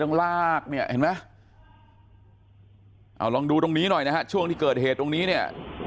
ต้องลากเนี่ยลองดูตรงนี้หน่อยนะช่วงที่เกิดเหตุตรงนี้เนี่ย